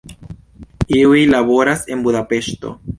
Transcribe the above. Iuj laboras en Budapeŝto.